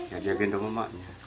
ya dia gendong emaknya